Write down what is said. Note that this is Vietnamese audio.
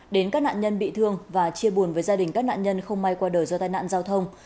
đến các nạn nhân bị thương và chia buồn với gia đình các nạn nhân không may qua đời do tai nạn giao thông